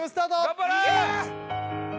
頑張れ！